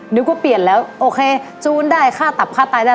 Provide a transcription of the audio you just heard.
เดี๋ยวก็เปลี่ยนแล้วเจ้าอุ๊นได้ฆ่าตักฐานได้แล้ว